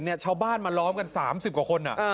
เนี่ยชาวบ้านมาล้อมกันสามสิบกว่าคนอ่ะ